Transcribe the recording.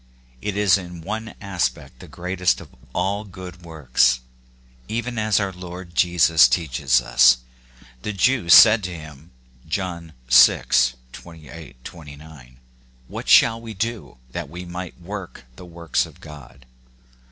It is in one aspect the greatest of all good works, even as our Lord Jesus teaches us. The Jews said to him (John vi. 28, 29), " What shall we do, that we might work the works of God